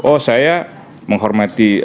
oh saya menghormati